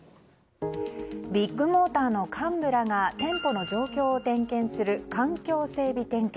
ビッグモーターの幹部らが店舗の状況を点検する環境整備点検。